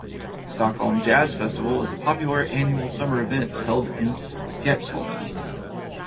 Stockholm Jazz Festival is a popular annual summer event held on Skeppsholmen.